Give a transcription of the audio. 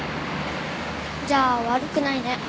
じゃあ悪くないね。